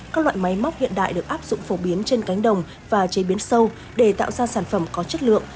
các loại máy móc hiện đại được áp dụng phổ biến trên cánh đồng và chế biến sâu để tạo ra sản phẩm có chất lượng